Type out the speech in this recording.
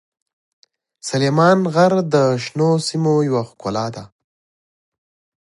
سلیمان غر د شنو سیمو یوه ښکلا ده.